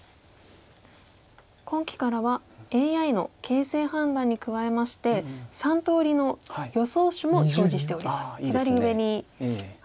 今期からはＡＩの形勢判断に加えまして３通りの予想手も表示しております。